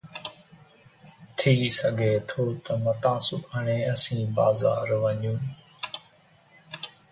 ٿي سگھي ٿو ته متان سڀاڻي اسين بازار وڃون